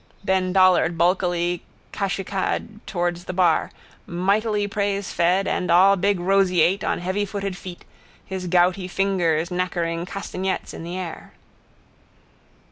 Ben Dollard bulkily cachuchad towards the bar, mightily praisefed and all big roseate, on heavyfooted feet, his gouty fingers nakkering castagnettes in the air.